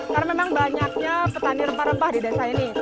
karena memang banyaknya petani rempah rempah di desa ini